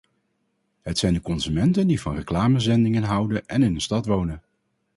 Het zijn die consumenten die van reclamezendingen houden en in een stad wonen.